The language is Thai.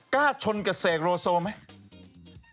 กล้าชนกับเสกโรโซไหม